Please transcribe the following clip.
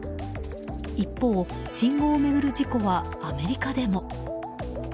一方、信号を巡る事故はアメリカでも。